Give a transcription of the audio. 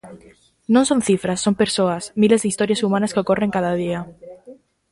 Non son cifras, son persoas, miles de historias humanas que ocorren cada día.